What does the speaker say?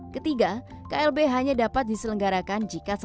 ketiga klb hanya dapat diselenggarakan jika selesai